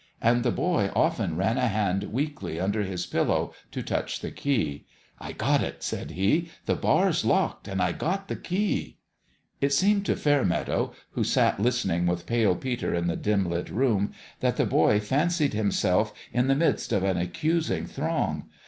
And the boy often ran a hand weakly under his pillow to touch the key. " I got it," said he. "The bar's locked and I got the key." It seemed to Fairmeadow who sat lis tening with Pale Peter in the dim lit room that the boy fancied himself in the midst of an accusing throng.